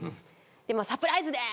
で「サプライズです！